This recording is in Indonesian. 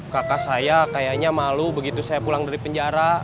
kakak saya kayaknya malu begitu saya pulang dari penjara